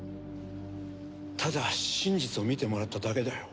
ただ真実を見てもらっただけだよ。